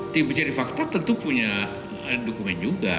tim pencari fakta tentu punya dokumen juga